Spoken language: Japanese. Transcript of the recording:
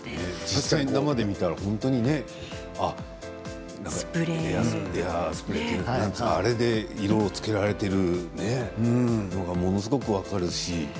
実際、生で見たらスプレーというかあれで色をつけられているのがものすごく分かるし。